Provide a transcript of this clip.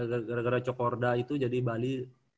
gara gara cokorda itu jadi bali